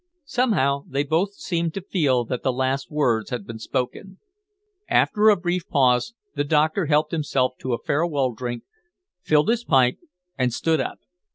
Somehow they both seemed to feel that the last words had been spoken. After a brief pause, the doctor helped himself to a farewell drink, filled his pipe and stood up.